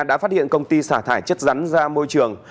đã phát hiện công ty xả thải chất rắn ra môi trường